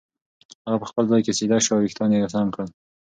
هغه په خپل ځای کې سیده شو او وېښتان یې سم کړل.